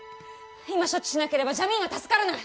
今処置しなければジャミーンは助からない！